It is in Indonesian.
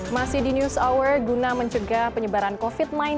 masih di news hour guna mencegah penyebaran covid sembilan belas